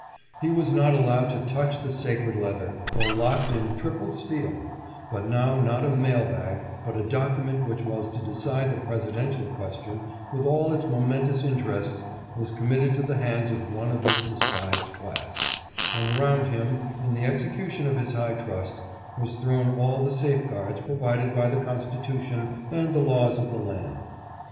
He was not allowed to touch the sacred leather, though locked in " triple steel," but now not a mail bag, but a document which was to decide the presidential question with all its momentous interests, was committed to the hands of one of this despised class, and around him, in the execution of his high trust, was thrown all the safeguards provided by the Constitution and the laws of the land.